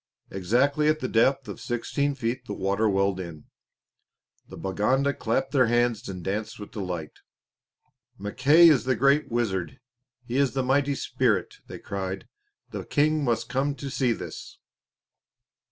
Exactly at the depth of sixteen feet the water welled in. The Baganda clapped their hands and danced with delight. "Mackay is the great wizard. He is the mighty spirit," they cried. "The King must come to see this."